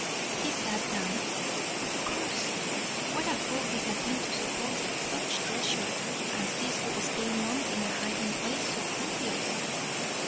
He sat down. Of course! What a fool he had been to suppose that such treasure as this would stay long in a hiding place so obvious.